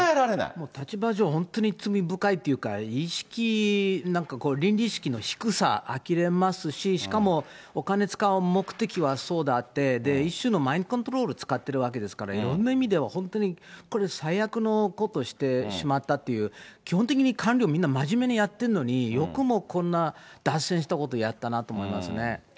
もう立場上本当に罪深いというか、意識、なんか倫理意識の低さ、あきれますし、しかも、お金使う目的はそうであって、一種のマインドコントロールを使ってるわけですから、いろんな意味で本当にこれ最悪のことしてしまったという、基本的に官僚、みんな真面目にやってるのに、よくもこんな脱線したことやったなと思いますね。